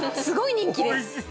すごい人気です